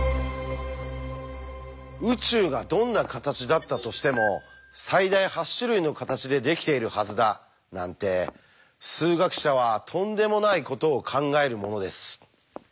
「宇宙がどんな形だったとしても最大８種類の形でできているはずだ」なんて数学者はとんでもないことを考えるものです。